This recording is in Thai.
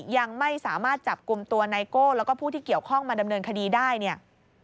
ยังไม่สามารถจับกลุ่มตัวไนโก้แล้วก็ผู้ที่เกี่ยวข้องมาดำเนินคดีได้เนี่ย